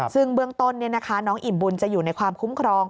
ซึ่งเบื้องต้นน้องอิ่มบุญจะอยู่ในความคุ้มครอง